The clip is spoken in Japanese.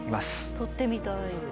採ってみたい。